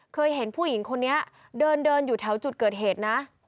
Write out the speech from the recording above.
เคยเห็นผู้หญิงคนนี้เดินอยู่แถวจุดเกิดเหตุนะ